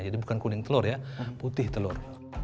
jadi bukan kuning telur ya putih telur